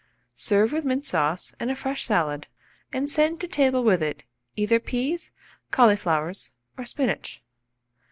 Serve with mint sauce and a fresh salad, and send to table with it, either peas, cauliflowers, or spinach.